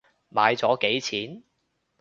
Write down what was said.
買咗幾錢？